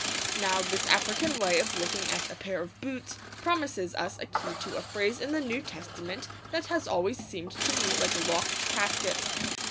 Now this African way of looking at a pair of boots promises us a key to a phrase in the New Testament that has always seemed to me like a locked casket.